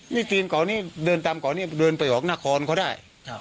นี่จีนเกาะนี้เดินตามเกาะนี้เดินไปออกนครเขาได้